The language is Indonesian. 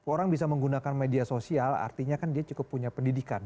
orang bisa menggunakan media sosial artinya kan dia cukup punya pendidikan